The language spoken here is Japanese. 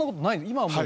今はもう。